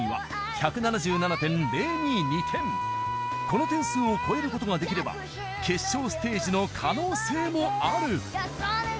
この点数を超える事ができれば決勝ステージの可能性もある。